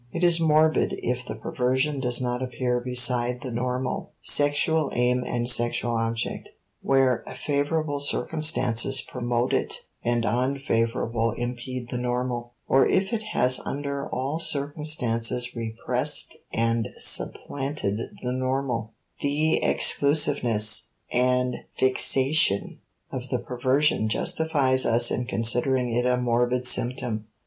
It is morbid if the perversion does not appear beside the normal (sexual aim and sexual object), where favorable circumstances promote it and unfavorable impede the normal, or if it has under all circumstances repressed and supplanted the normal; the exclusiveness and fixation of the perversion justifies us in considering it a morbid symptom.